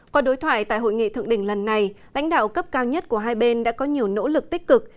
qua đối thoại tại hội nghị thượng đỉnh lần này lãnh đạo cấp cao nhất của hai bên đã có nhiều nỗ lực tích cực